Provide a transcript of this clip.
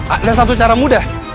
ada satu cara mudah